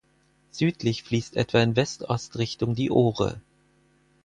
Südlich fließt etwa in West-Ost-Richtung die Ohre.